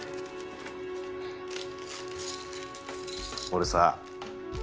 俺さ